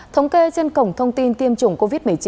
thống kê trên cổng thông tin tiêm chủng covid một mươi chín